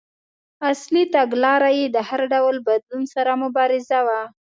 اصلي تګلاره یې د هر ډول بدلون سره مبارزه وه.